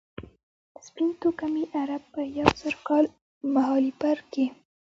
سپین توکمي عرب په یو زر کال مهالپېر کې.